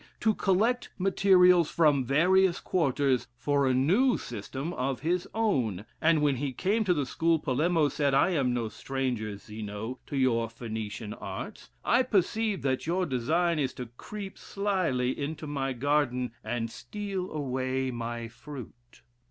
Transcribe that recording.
_, to collect materials from various quarters for a new system of his own; and when he came to the school, Polemo said, "I am no stranger, Zeno, to your Phoenician arts; I perceive that your design is to creep slily into my garden, and steal away my fruit."